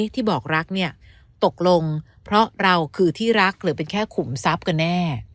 ที่บอกรักเนี่ยตกลงเพราะเราคือที่รักหรือเป็นแค่ขุมทรัพย์กันแน่